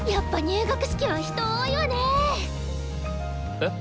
えっ？